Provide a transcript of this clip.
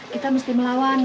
kita harus melawan